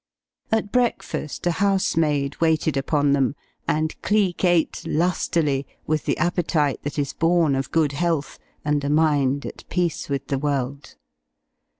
At breakfast, a housemaid waited upon them, and Cleek ate lustily, with the appetite that is born of good health, and a mind at peace with the world.